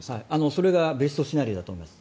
それがベストシナリオだと思います。